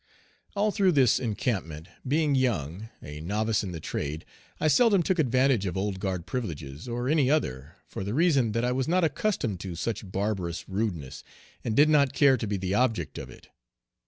All through this encampment being " young; a novice in the trade," I seldom took advantage of Old Guard privileges, or any other, for the reason that I was not accustomed to such barbarous rudeness, and did not care to be the object of it.